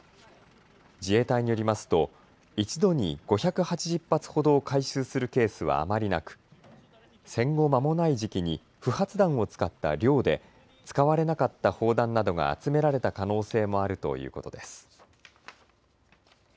自衛隊によりますと一度に５８０発ほどを回収するケースはあまりなく戦後まもない時期に不発弾を使った漁で使われなかった砲弾などが集められた可能性もあるということです。